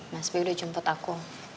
mas b udah jemput aku